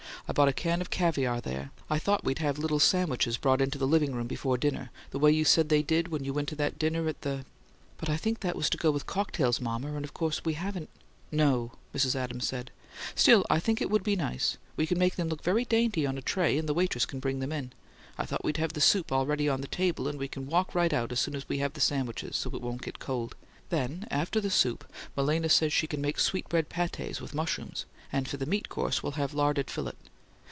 "I bought a can of caviar there. I thought we'd have little sandwiches brought into the 'living room' before dinner, the way you said they did when you went to that dinner at the " "But I think that was to go with cocktails, mama, and of course we haven't " "No," Mrs. Adams said. "Still, I think it would be nice. We can make them look very dainty, on a tray, and the waitress can bring them in. I thought we'd have the soup already on the table; and we can walk right out as soon as we have the sandwiches, so it won't get cold. Then, after the soup, Malena says she can make sweetbread pates with mushrooms: and for the meat course we'll have larded fillet.